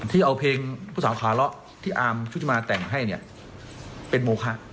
ที่เอาเพลงผู้สาวขาเลาะที่อาร์มชุติมาแต่งให้เนี่ยเป็นโมคะ